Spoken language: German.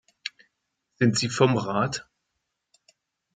Sind Sie vom Rat?